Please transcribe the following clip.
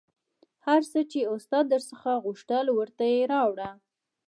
هر څه چې استاد در څخه غوښتل ورته یې راوړه